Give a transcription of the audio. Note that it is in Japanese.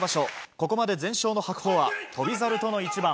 ここまで全勝の白鵬は翔猿との一番。